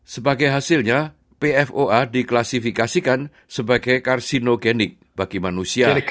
sebagai hasilnya pfoa diklasifikasikan sebagai karsinogenik bagi manusia